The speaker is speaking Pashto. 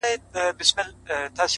• هغه ستا د ابا مېنه تالا سوې,